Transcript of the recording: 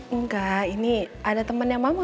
enggak ini ada temannya mama